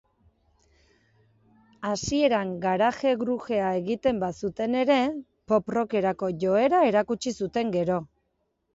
Hasieran garage-grugea egiten bazuten ere, pop-rockerako joera erakutsi zuten gero.